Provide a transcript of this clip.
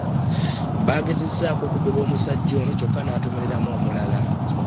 Baagezezzaako okugoba omusajja ono kyokka n'atomeramu omulala.